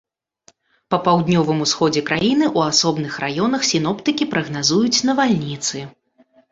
Па паўднёвым усходзе краіны ў асобных раёнах сіноптыкі прагназуюць навальніцы.